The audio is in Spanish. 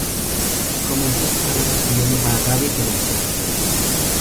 Comenzó su carrera escribiendo para radio y televisión.